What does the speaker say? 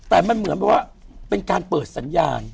แต่มันเหมือนแบบว่าเป็นการเปิดสัญญาณ